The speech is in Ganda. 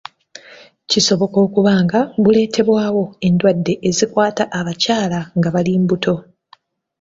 Kisobka okuba nga buleetebwawo endwadde ezikwata abakyala nga bali mbuto